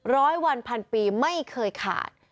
ร้อยวันพันปีไม่เคยขาด